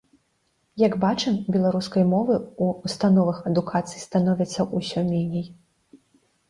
Як бачым, беларускай мовы ў установах адукацыі становіцца ўсё меней.